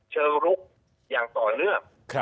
เชิงลุกอย่างต่อเนื่อง